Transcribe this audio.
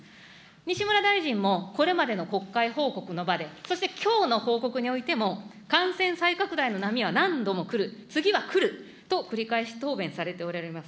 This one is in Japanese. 西村大臣も、これまでの国会報告の場で、そしてきょうの報告においても、感染再拡大の波は何度も来る、次は来ると繰り返し答弁されておられます。